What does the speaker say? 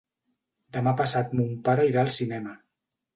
Demà passat mon pare irà al cinema.